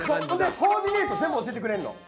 コーディネート全部教えてくれるの。